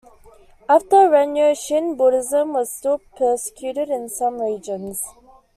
After Rennyo, Shin Buddhism was still persecuted in some regions.